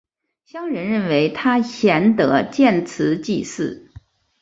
乡人认为他贤德建祠祭祀。